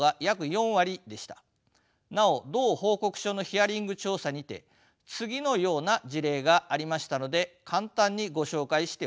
なお同報告書のヒアリング調査にて次のような事例がありましたので簡単にご紹介しておきます。